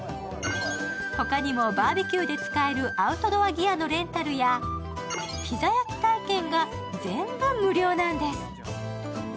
他にもバーベキューで使えるアウトドアギアのレンタルや、ピザ焼き体験が全部無料なんです。